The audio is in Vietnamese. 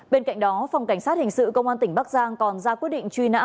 bên cạnh đó phòng cảnh sát hình sự công an tỉnh bắc giang còn ra quyết định truy nã